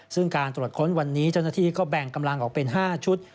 ซึ่งการตรวจค้นวันนี้เจ้าหน้าที่ก็แบ่งกำลังออกเป็น๕ชุด